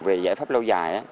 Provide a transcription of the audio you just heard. về giải pháp lâu dài